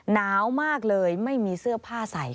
หนาวมากเลยไม่มีเสื้อผ้าใส่